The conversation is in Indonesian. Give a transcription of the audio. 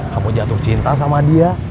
kamu jatuh cinta sama dia